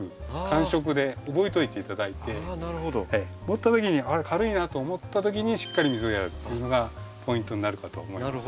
持った時に「あっ軽いな」と思った時にしっかり水をやるっていうのがポイントになるかと思います。